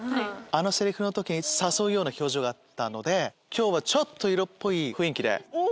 あのセリフの時に誘うような表情があったので今日はちょっと色っぽい雰囲気で。